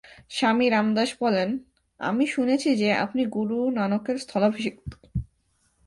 স্বামী রামদাস বলেন, "আমি শুনেছি যে, আপনি গুরু নানকের স্থলাভিষিক্ত"।